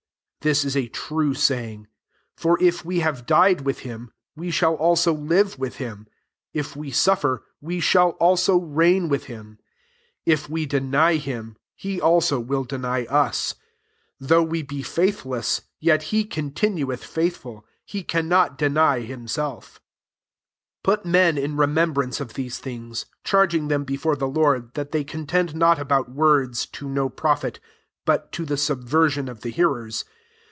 11 This is a true saying : for if we have died with hinij ve shall also live with him : 12 if we suffer, we shall also reign with him : if we deny Aim, he also will deny us : 13 though we be faithless, yet he continueth fidtbful: he cannot deny him se]£ 14 Put men in remembrance of these thing^y charging them before the Lord that they con tend not about words, to no profit, but to the subversion of the hearers.